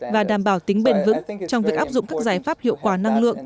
và đảm bảo tính bền vững trong việc áp dụng các giải pháp hiệu quả năng lượng